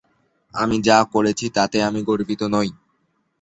আমি যা করেছি তাতে আমি গর্বিত নই।